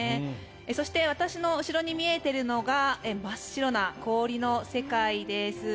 そして私の後ろに見えているのが真っ白な氷の世界です。